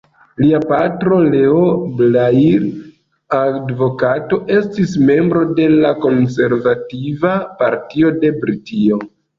Lia patro, Leo Blair, advokato, estis membro de la Konservativa Partio de Britio.